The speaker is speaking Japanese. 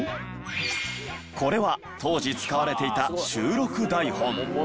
これは当時使われていた収録台本。